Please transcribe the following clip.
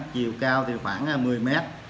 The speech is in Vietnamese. chiều cao khoảng một mươi m